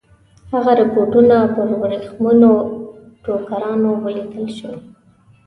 هغه رپوټونه پر ورېښمینو ټوکرانو ولیکل شول.